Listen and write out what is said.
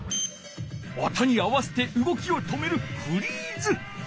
音に合わせてうごきを止めるフリーズ。